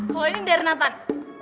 kalau ini dari nathan